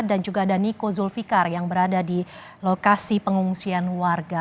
dan juga ada niko zulfikar yang berada di lokasi pengungsian warga